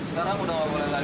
sekarang udah gak boleh lagi